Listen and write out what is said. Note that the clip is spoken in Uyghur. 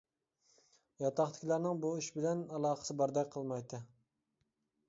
ياتاقتىكىلەرنىڭ بۇ ئىش بىلەن ئالاقىسى باردەك قىلمايتتى.